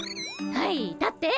はい立って！